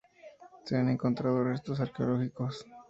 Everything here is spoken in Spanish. Se han encontrado restos arqueológicos.